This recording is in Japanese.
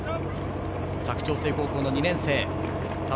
佐久長聖高校の２年生です。